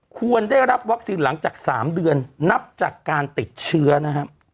ควรได้รับวัคซีนหลังจาก๓เดือนนับจากการติดเชื้อนะครับ